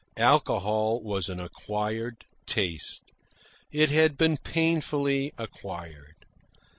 Alcohol was an acquired taste. It had been painfully acquired.